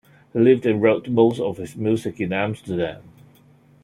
He lived and wrote most of his music in Amsterdam.